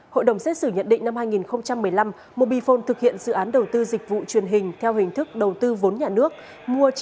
hội đồng xét xử nhận định năm hai nghìn một mươi năm mobifone thực hiện dự án đầu tư dịch vụ truyền hình theo hình thức đầu tư vốn nhà nước